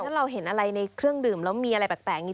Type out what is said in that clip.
ถ้าเราเห็นอะไรในเครื่องดื่มแล้วมีอะไรแปลกอย่างนี้